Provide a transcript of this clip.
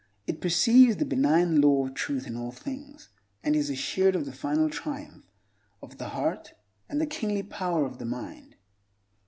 It perceives the benign law of Truth in all things, and is assured of the final triumph of the heart, and the kingly power of the mind.